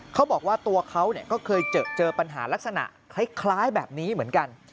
เขาบอกว่าตัวเขาก็เคยเจอปัญหาลักษณะคล้ายแบบนี้เหมือนกัน